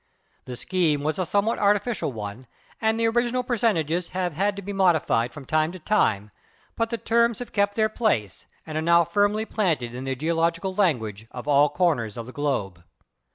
The scheme was a somewhat artificial one, and the original percentages have had to be modified from time to time, but the terms have kept their place and are now firmly planted in the geo logical language of all corners of the globe.